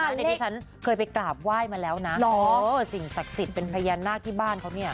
ในที่ฉันเคยไปกราบไหว้มาแล้วนะสิ่งศักดิ์ศิษย์เป็นพยานหน้าที่บ้านเขาเนี่ย